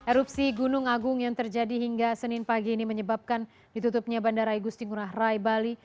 erupsi gunung agung yang terjadi hingga senin pagi ini menyebabkan ditutupnya bandara igusti ngurah rai bali